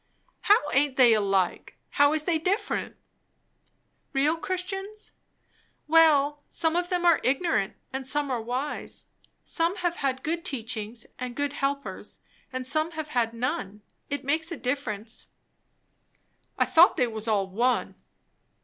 "How aint they alike? how is they different?" "Real Christians? Well some of them are ignorant, and some are wise. Some have had good teachings and good helpers, and some have had none; it makes a difference." "I thought they was all one."